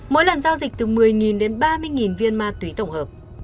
mỗi lần giao dịch từ một mươi đến ba mươi viên ma túy tổng hợp